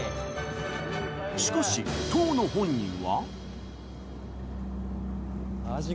しかし当の本人は。